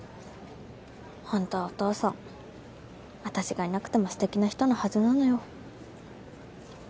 本当はお父さん私がいなくても素敵な人のはずなのよ